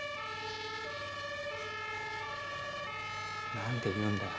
何で言うんだよ？